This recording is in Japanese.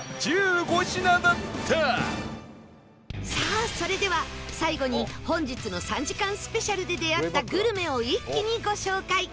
さあそれでは最後に本日の３時間スペシャルで出会ったグルメを一気にご紹介